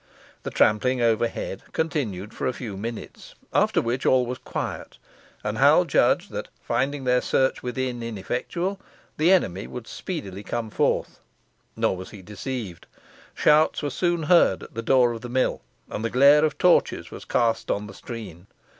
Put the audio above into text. The trampling overhead continued for a few minutes, after which all was quiet, and Hal judged that, finding their search within ineffectual, the enemy would speedily come forth. Nor was he deceived. Shouts were soon heard at the door of the mill, and the glare of torches was cast on the stream.